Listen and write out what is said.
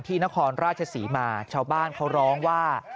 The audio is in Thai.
นครราชศรีมาชาวบ้านเขาร้องว่า